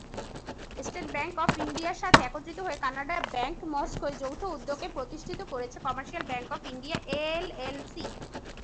State bank of ইন্ডিয়ার সাথে একত্রিত হয়ে কানাড়া ব্যাঙ্ক মস্কোয় যৌথ উদ্যোগে প্রতিষ্ঠিত করেছে, commercial bank of India LLC.